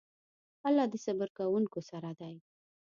الله د صبر کوونکو سره دی.